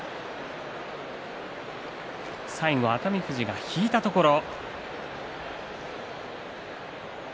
最後、熱海富士が引いたところ。